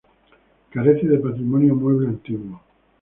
Carece de patrimonio mueble antiguo.